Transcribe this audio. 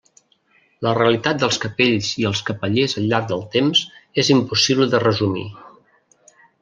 La realitat dels capells i els capellers al llarg del temps és impossible de resumir.